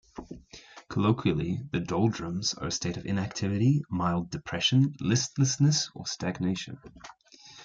Colloquially, the "doldrums" are a state of inactivity, mild depression, listlessness, or stagnation.